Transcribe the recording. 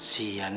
si aneh anaknya